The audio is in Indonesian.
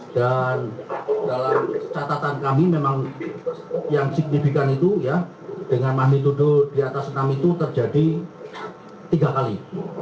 dan dalam catatan kami memang yang signifikan itu ya dengan magnitudus di atas enam itu terjadi tiga kali